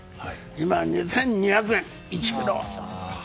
今、２２００円、１ｋｇ。